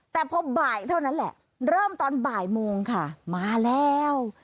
แต่พอบ่ายเท่านั้นแหละเริ่มตอนบ่ายโมงค่ะมาแล้ว